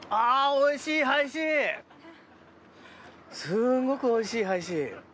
すごくおいしい、ＨＩ‐Ｃ。